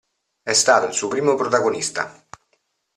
È stato il suo primo protagonista.